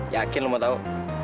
yakin lu mau tau